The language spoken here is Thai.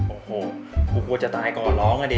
โอ้โหกูกลัวจะตายก่อนร้องอ่ะดิ